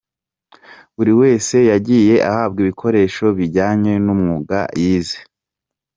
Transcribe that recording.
Buri wese yagiye ahabwa ibikoresho bijyanye n’umwuga yize.